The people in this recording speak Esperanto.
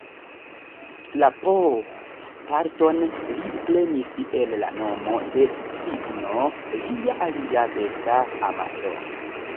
La "pooh"-parton li prenis el la nomo de cigno, lia alia besta amato.